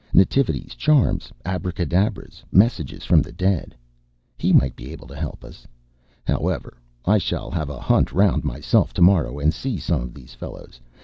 Nativities charms abracadabras, messages from the dead. He might be able to help us. However, I shall have a hunt round myself to morrow, and see some of these fellows.